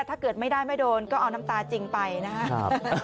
ถ้าเกิดไม่ได้ไม่โดนก็เอาน้ำตาจริงไปนะครับ